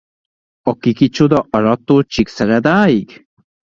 A Ki kicsoda Aradtól Csíkszeredáig?